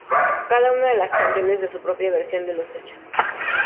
Cada una de las canciones da su propia versión de los hechos.